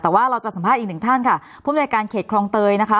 แต่ว่าเราจะสัมภาษณ์อีกหนึ่งท่านค่ะผู้อำนวยการเขตคลองเตยนะคะ